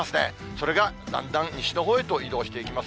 それがだんだん西のほうへと移動していきます。